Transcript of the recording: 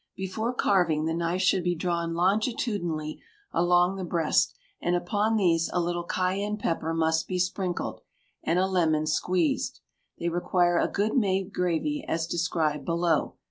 Before carving the knife should be drawn longitudinally along the breast, and upon these a little cayenne pepper must be sprinkled, and a lemon squeezed. They require a good made gravy, as described below.